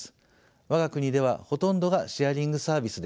我が国ではほとんどがシェアリングサービスです。